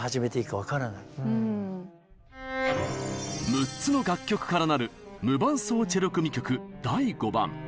６つの楽曲からなる「無伴奏チェロ組曲第５番」。